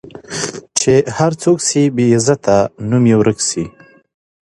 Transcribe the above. چي هر څوک سي بې عزته نوم یې ورک سي